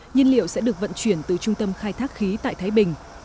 nhiên liệu sẽ được vận chuyển từ trung tâm khai thác khí tại thái bình